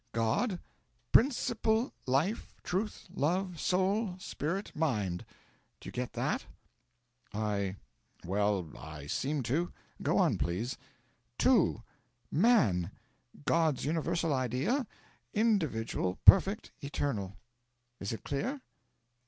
GOD Principle, Life, Truth, Love, Soul, Spirit, Mind. Do you get that?' 'I well, I seem to. Go on, please. '2. MAN God's universal idea, individual, perfect, eternal. Is it clear?'